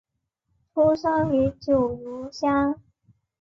出生于九如乡。